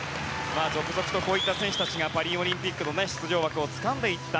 続々とこういった選手たちがパリオリンピックの出場枠をつかんでいった。